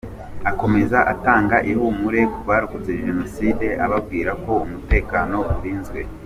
Akomeza atanga ihumure ku barokotse Jenoside ababwira ko umutekano urinzwe.